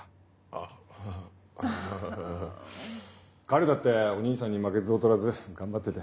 彼だってお兄さんに負けず劣らず頑張ってて。